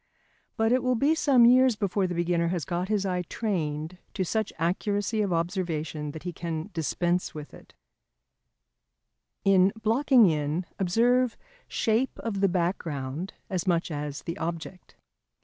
But it will be some years before the beginner has got his eye trained to such accuracy of observation that he can dispense with it. [Sidenote: In Blocking in observe Shape of the Background as much as the Object.